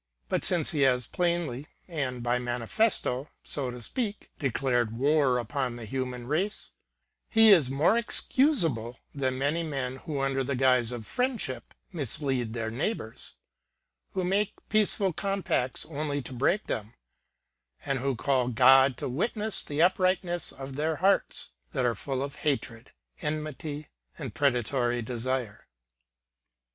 *But since he has plainly, and by manifesto, so to speak, declared war upon the human race, he is more excusable than many men who under the guise of friendship mislead their neighbors; who make peace ful compacts only to break them, and who call God to witness the uprightness of their hearts, that are yet full of hatred, en mity, and predatory desire.